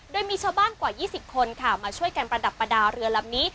โดยมีชาวบ้านกว่า๒๐คนค่ะมาช่วยกันประดับประดาเรือลำนี้